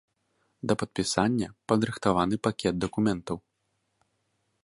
Да падпісання падрыхтаваны пакет дакументаў.